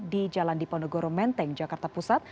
di jalan diponegoro menteng jakarta pusat